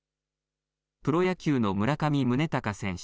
プロ野球の村上宗隆選手。